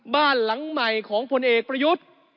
บ้านหลังใหม่ของผลเอกประยุทธ์